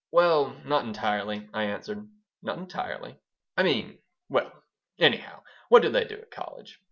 "Well, not entirely," I answered "Not entirely?" "I mean Well, anyhow, what do they do at college?